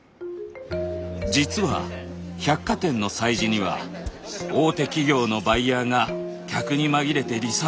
実は百貨店の催事には大手企業のバイヤーが客に紛れてリサーチに訪れます。